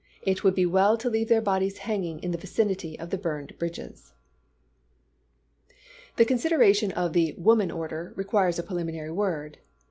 It would be well i86?.'"''w.^r. to leave their bodies hanging in the vicinity of the p." 76*. " burned bridges." The consideration of the "woman order" requii es a preliminary word.